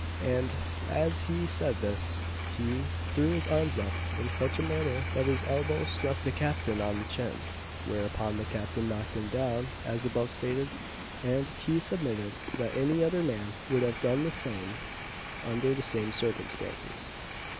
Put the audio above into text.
and as he said this he threw his arms up in such a manner that his elbow struck the Captain on the chin; whereupon the Captain knocked him down, as above stated; and he submitted that any other man would have done the same under the same circumstances.